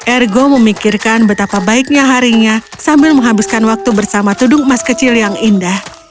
ergo memikirkan betapa baiknya harinya sambil menghabiskan waktu bersama tudung emas kecil yang indah